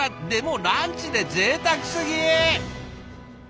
でもランチでぜいたくすぎ！